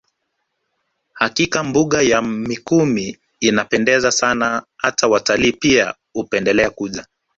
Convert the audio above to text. Hakika mbuga ya Mikumi inapendeza sana hata watalii pia hupendelea kuja